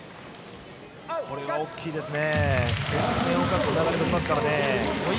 これは大きいですね。